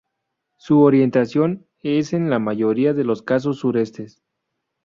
Su orientación es en la mayoría de los casos sureste.